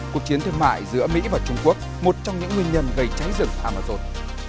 cuộc chiến thương mại giữa mỹ và trung quốc một trong những nguyên nhân gây cháy rừng amazon